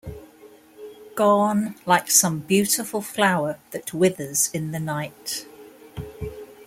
Gone like some beautiful flower that withers in the night.